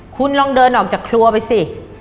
คุณลองเดินออกจากครัวไปสิ